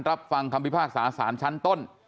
ฟังคำพิพากษาสารชั้นต้น